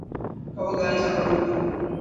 কেবল গাড়ি চালা, পোন্নি।